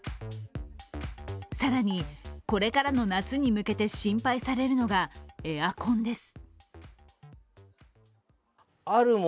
更に、これからの夏に向けて心配されるのがエアコンです。